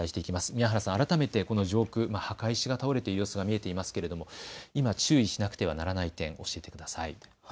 宮原さん、改めて上空、墓石が倒れている様子がうかがえますが今注意しなければいけない点、教えてください。